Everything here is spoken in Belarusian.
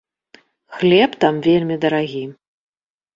Хлеб там вельмі дарагі.